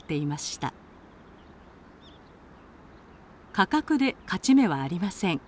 価格で勝ち目はありません。